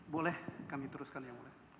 boleh kami teruskan ya